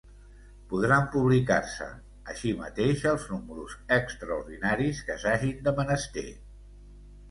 Podran publicar-se, així mateix, els números extraordinaris que s'hagin de menester.